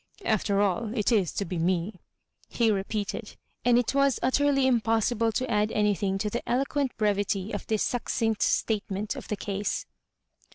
* After all it is to be me," he repeated; and it was utterly impossible to add anything to the elo quent brevity of this succinct statement of the case.